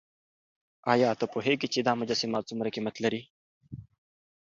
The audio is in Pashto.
ایا ته پوهېږې چې دا مجسمه څومره قیمت لري؟